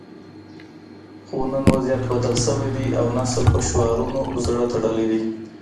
خو نن وضعیت بدل شوی دی او نسل په شعارونو زړه تړلی دی